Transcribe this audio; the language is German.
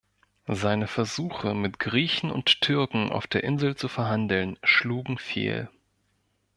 Seine Versuche, mit Griechen und Türken auf der Insel zu verhandeln, schlugen fehl.